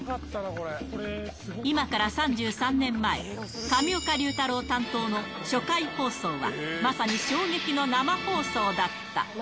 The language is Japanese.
今から３３年前、上岡龍太郎担当の初回放送は、まさに衝撃の生放送だった。